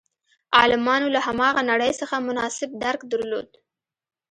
عالمانو له هماغه نړۍ څخه مناسب درک درلود.